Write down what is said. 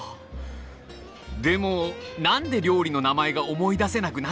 でも何で料理の名前が思い出せなくなっちゃうんだ？